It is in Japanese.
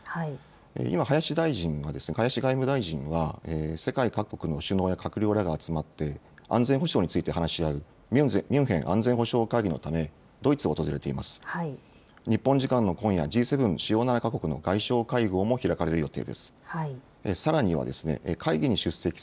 今、林外務大臣が世界各国の首脳や閣僚らが集まって安全保障について話し合うミュンヘン安全保障会議のためドイツを訪れています。